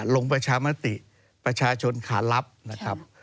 ลงประชามติประชาชนขารับนะครับ